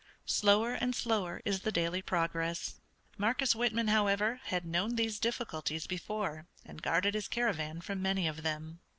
Slower and slower is the daily progress." Marcus Whitman, however, had known these difficulties before, and guarded his caravan from many of them.